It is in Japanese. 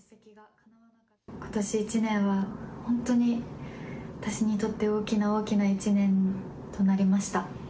ことし１年は、本当に私にとって大きな大きな１年となりました。